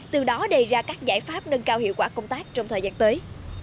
từ đó đề ra các giải pháp nâng cao hiệu quả công tác trong thời gian tới